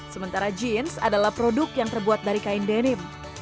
sementara jeans adalah produk yang terbuat dari kain denim